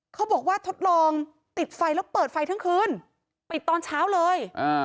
เขาบอกว่าทดลองติดไฟแล้วเปิดไฟทั้งคืนปิดตอนเช้าเลย